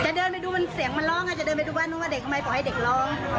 เดินไปดูมันเสียงมันร้องจะเดินไปดูบ้านนู้นว่าเด็กทำไมปล่อยให้เด็กร้อง